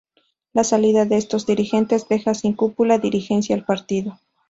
La salida de estos dirigentes, deja sin cúpula dirigencial al partido.